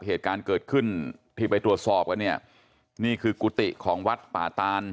เหตุการณ์เกิดขึ้นที่ไปตรวจสอบกันเนี่ยนี่คือกุฏิของวัดป่าตาน